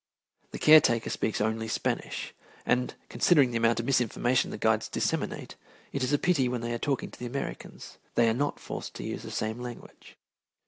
The caretaker speaks only Spanish, and, considering the amount of misinformation the guides disseminate, it is a pity when they are talking to Americans, they are not forced to use the same language.